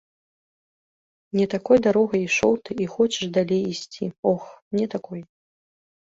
Не такой дарогай ішоў ты і хочаш далей ісці, ох, не такой.